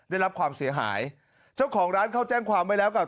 ได้รับความเสียหายเจ้าของร้านเขาแจ้งความไว้แล้วกับ